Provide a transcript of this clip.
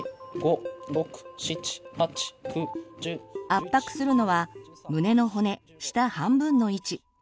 圧迫するのは胸の骨下半分の位置。